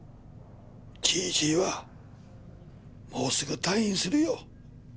じいじはもうすぐ退院するよ。